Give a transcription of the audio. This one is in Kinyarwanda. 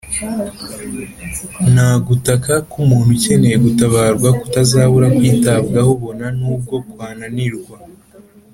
nta gutaka k’umuntu ukeneye gutabarwa kutazabura kwitabwaho bona nubwo kwananirwa